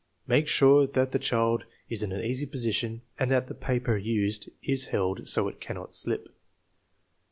Make sure that the child is in an easy position and that the paper used is held so it cannot slip.